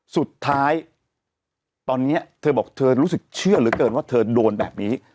สุดท้ายตอนนี้เธอบอกเธอรู้สึกเชื่อเหลือเกินว่าเธอโดนแบบนี้